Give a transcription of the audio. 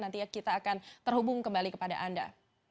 nanti ya kita akan terhubung kembali kepada anda